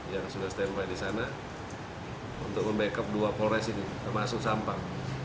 yang sudah standby di sana untuk membackup dua polres ini termasuk sampang